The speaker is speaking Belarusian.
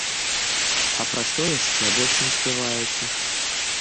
А пра што яшчэ больш не спяваеце?